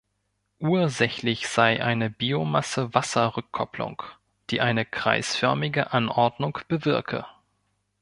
Ursächlich sei eine Biomasse–Wasser-Rückkopplung, die eine kreisförmige Anordnung bewirke.